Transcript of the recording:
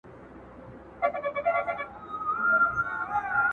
اصلاح نه سو لایې بد کول کارونه,